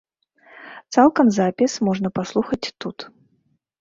Цалкам запіс можна праслухаць тут.